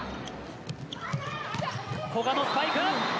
古賀のスパイク。